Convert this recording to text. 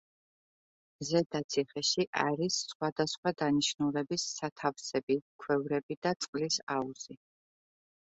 ზედა ციხეში არის სხვადასხვა დანიშნულების სათავსები, ქვევრები და წყლის აუზი.